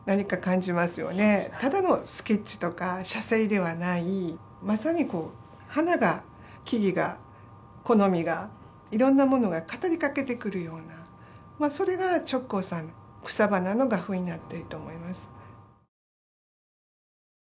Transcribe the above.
ただのスケッチとか写生ではないまさにこう花が木々が木の実がいろんなものが語りかけてくるようなそれが直行さんの草花の画風になっていると思います。